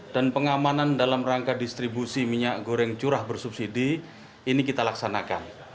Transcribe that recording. dan pengamanan dalam rangka distribusi minyak goreng curah bersubsidi ini kita laksanakan